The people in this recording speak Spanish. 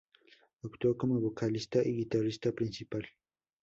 Actuó como vocalista y guitarrista principal.